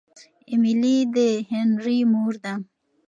ایمیلي د هنري مور ده.